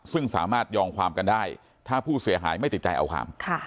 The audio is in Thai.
ซึ่งสามารถยอมความกันได้ถ้าผู้เสียหายไม่ติดใจเอาความ